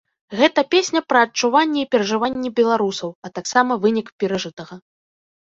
Гэта песня пра адчуванні і перажыванні беларусаў, а таксама вынік перажытага.